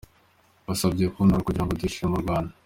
Mbasabye kuntora kugira ngo duheshe ishema u Rwanda.